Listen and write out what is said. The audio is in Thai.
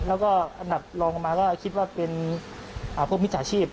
แล้วก็อันดับรองลงมาก็คิดว่าเป็นพวกมิจฉาชีพ